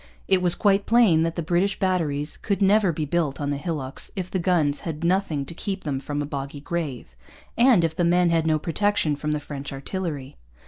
It was quite plain that the British batteries could never be built on the hillocks if the guns had nothing to keep them from a boggy grave, and if the men had no protection from the French artillery.